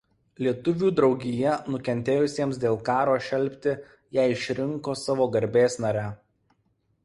Lietuvių draugija nukentėjusiems dėl karo šelpti ją išrinko savo garbės nare.